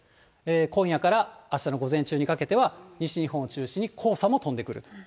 今夜からあしたの午前中にかけては、西日本を中心に黄砂も飛んでくる。